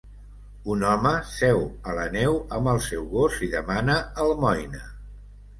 Un home seu a la neu amb el seu gos i demana almoina.